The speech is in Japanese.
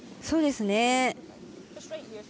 そうですね。